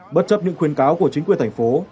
bất chấp những khuyến cáo của chính quyền thành phố